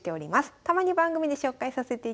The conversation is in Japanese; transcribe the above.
たまに番組で紹介させていただきます。